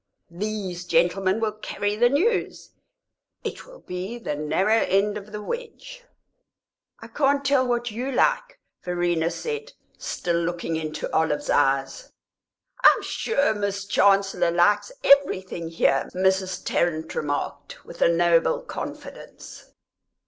These gentlemen will carry the news; it will be the narrow end of the wedge." "I can't tell what you like," Verena said, still looking into Olive's eyes. "I'm sure Miss Chancellor likes everything here," Mrs. Tarrant remarked, with a noble confidence.